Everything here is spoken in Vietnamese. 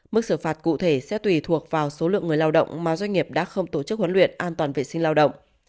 mức xử phạt cụ thể sẽ tùy thuộc vào số lượng người lao động mà doanh nghiệp đã không tổ chức huấn luyện an toàn vệ sinh lao động